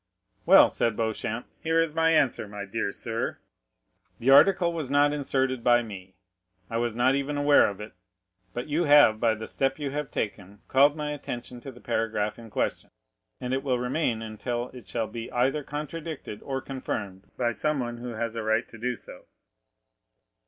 "Well," said Beauchamp, "here is my answer, my dear sir. The article was not inserted by me—I was not even aware of it; but you have, by the step you have taken, called my attention to the paragraph in question, and it will remain until it shall be either contradicted or confirmed by someone who has a right to do so."